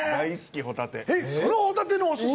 そのホタテのお寿司！？